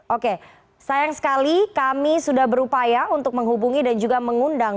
oke sayang sekali kami sudah berupaya untuk menghubungi dan juga mengundang